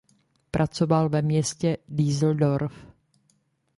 Pracoval ve městě Düsseldorf.